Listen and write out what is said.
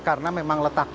karena memang letaknya